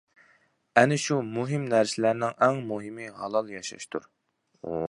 ئەنە شۇ مۇھىم نەرسىلەرنىڭ ئەڭ مۇھىمى ھالال ياشاشتۇر.